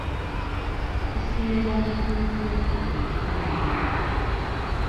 Okusiiyibwa mu bitundu by’ekyama kibi nnyo.